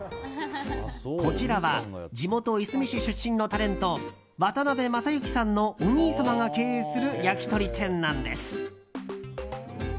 こちらは地元・いすみ市出身のタレント渡辺正行さんのお兄様が経営する焼き鳥店なんです。